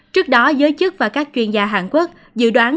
trước đó giới chức và các chuyên gia hàn quốc dự đoán